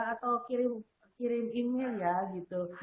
atau kirim email ya gitu